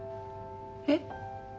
えっ？